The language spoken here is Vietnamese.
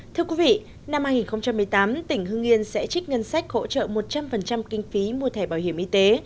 thưa quý vị năm hai nghìn một mươi tám tỉnh hưng yên sẽ trích ngân sách hỗ trợ một trăm linh kinh phí mua thẻ bảo hiểm y tế